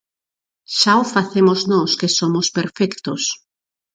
Xa o facemos nós que somos perfectos.